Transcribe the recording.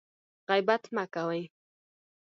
غیبت مه کوئ